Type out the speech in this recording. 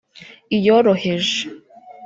iyoroheje